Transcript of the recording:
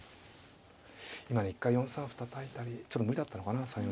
今ね一回４三歩たたいたりちょっと無理だったのかな３四。